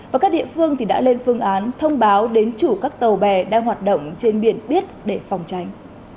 và các địa phương đã lên phương án thông báo đến chủ các tàu bè đang hoạt động trên biển biết để phòng tránh